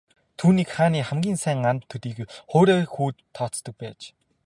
Түүнийг хааны хамгийн сайн анд төдийгүй хуурай хүүд тооцдог байж.